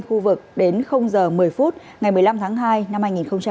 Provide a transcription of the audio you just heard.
khu vực đến giờ một mươi phút ngày một mươi năm tháng hai năm hai nghìn hai mươi